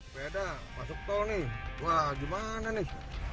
pesepeda masuk tol nih wah gimana nih wah benar nih